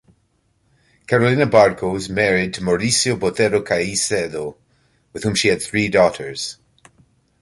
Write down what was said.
Carolina Barco was married to Mauricio Botero Caicedo, with whom she had three daughters.